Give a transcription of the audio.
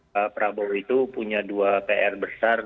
pak prabowo itu punya dua pr besar